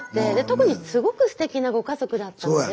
特にすごくすてきなご家族だったので。